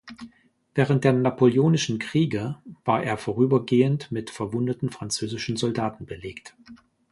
Während der Napoleonischen Kriege war er vorübergehend mit verwundeten französischen Soldaten belegt.